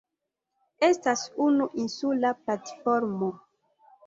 Estas unu insula platformo.